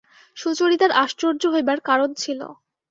সুচরিতার আশ্চর্য হইবার কারণ ছিল।